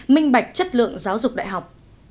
minh bạch chất lượng giáo dục đại học